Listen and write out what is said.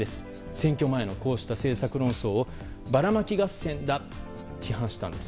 選挙前のこうした政策論争をばらまき合戦だと批判したんです。